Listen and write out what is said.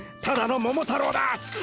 ただの「桃太郎」だ！